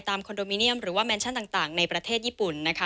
คอนโดมิเนียมหรือว่าแมนชั่นต่างในประเทศญี่ปุ่นนะคะ